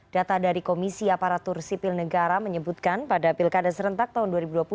data dari komisi aparatur sipil negara menyebutkan pada pilkada serentak tahun dua ribu dua puluh